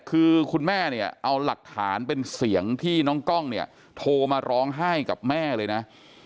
คือคุณแม่เนี่ยเอาหลักฐานเป็นเสียงที่น้องกล้องเนี่ยโทรมาร้องไห้กับแม่เลยนะ